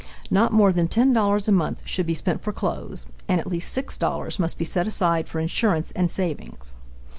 Not more than $10 a month should be spent for clothes, and at least $6 must be set aside for insurance and savings.